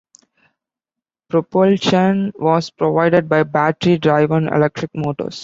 Propulsion was provided by battery-driven electric motors.